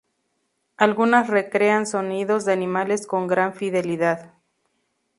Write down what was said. Algunas recrean sonidos de animales con gran fidelidad.